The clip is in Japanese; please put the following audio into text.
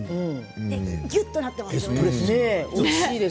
ぎゅっとなっていますよね。